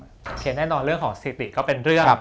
โอเคแน่นอนเรื่องของสถิติเขาเป็นเรื่อง